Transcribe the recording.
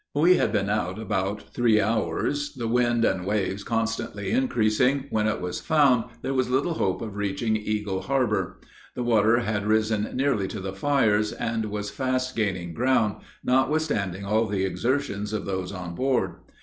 We had now been out about three hours, the wind and waves constantly increasing, when it was found, there was little hope of reaching Eagle harbor; the water had risen nearly to the fires, and was fast gaining ground, notwithstanding all the exertions of those on board.